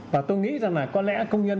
và tôi nghĩ rằng là có lẽ công nhân